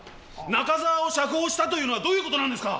中澤を釈放したというのはどういう事なんですか！